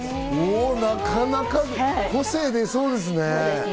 なかなか個性が出そうですね。